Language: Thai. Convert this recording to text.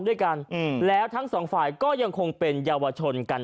ด้วยกันอืมแล้วทั้งสองฝ่ายก็ยังคงเป็นเยาวชนกัน